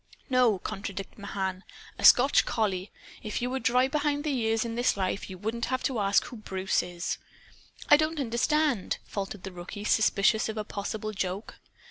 "No," contradicted Mahan. "A Scotch collie. If you were dry behind the ears, in this life, you wouldn't have to ask who Bruce is." "I don't understand," faltered the rookie, suspicious of a possible joke.